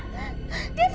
berd lotta besi